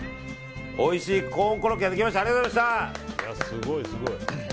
おいしいコーンコロッケができました。